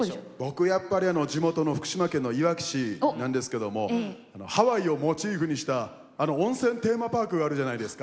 僕やっぱり地元の福島県のいわき市なんですけどもハワイをモチーフにしたあの温泉テーマパークあるじゃないですか。